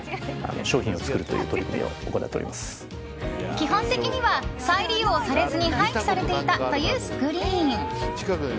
基本的には再利用されずに廃棄されていたというスクリーン。